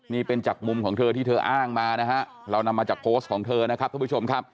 นี่เป็นจากมุมของเธอที่เธออ้างมานะฮะเรานำมาจากโพสต์ของเธอนะครับท่านผู้ชมครับ